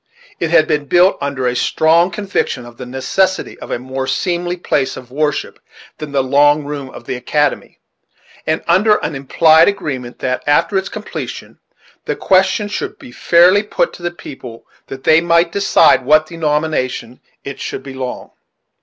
It had been built under a strong conviction of the necessity of a more seemly place of worship than "the long room of the academy," and under an implied agreement that, after its completion, the question should be fairly put to the people, that they might decide to what denomination it should belong.